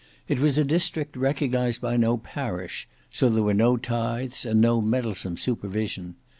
It was a district recognized by no parish; so there were no tithes, and no meddlesome supervision.